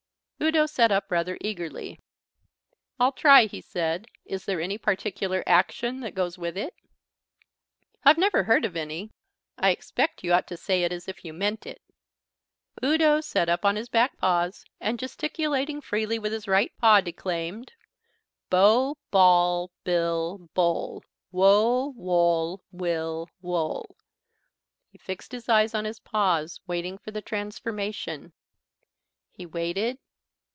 Udo sat up rather eagerly. "I'll try," he said. "Is there any particular action that goes with it?" "I've never heard of any. I expect you ought to say it as if you meant it." Udo sat up on his back paws, and, gesticulating freely with his right paw, declaimed: "Bo, boll, bill, bole. Wo, woll, will, wole." He fixed his eyes on his paws, waiting for the transformation. He waited.